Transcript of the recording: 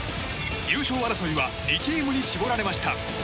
優勝争いは２チームに絞られました。